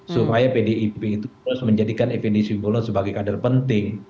supaya pdip itu terus menjadikan effendi simbolon sebagai kader penting